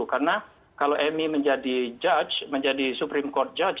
karena kalau amy menjadi judge menjadi supreme court judge